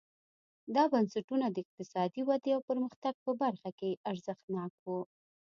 دا بنسټونه د اقتصادي ودې او پرمختګ په برخه کې ارزښتناک وو.